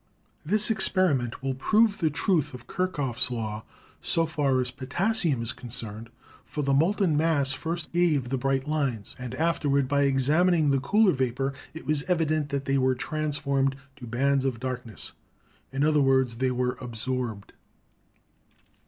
This experiment will prove the truth of Kirchhoff's law so far as potassium is concerned, for the molten mass first gave the bright lines, and afterward by examining the cooler vapor it was evident that they were transformed to bands of darkness ; in other words they were absorbed.